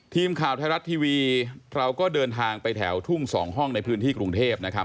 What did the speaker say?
ทีมข่าวไทยรัฐทีวีเราก็เดินทางไปแถวทุ่ง๒ห้องในพื้นที่กรุงเทพนะครับ